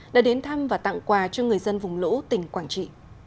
đã đến thăm và tặng quà cho người dân vùng lũ tỉnh quảng trị